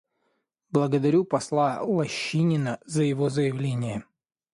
Благодарю посла Лощинина за его заявление.